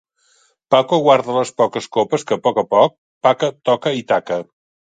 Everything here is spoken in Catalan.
Paco guarda les poques copes que, a poc a poc, Paca toca i taca.